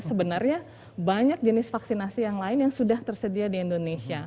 sebenarnya banyak jenis vaksinasi yang lain yang sudah tersedia di indonesia